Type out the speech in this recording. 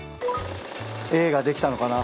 Ａができたのかな？